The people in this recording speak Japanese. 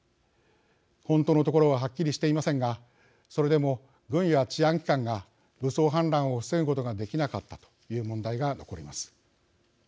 本当のところははっきりしていませんがそれでも軍や治安機関が武装反乱を防ぐことができなかったという問題が残ります。